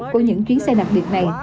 của những chuyến xe đặc biệt này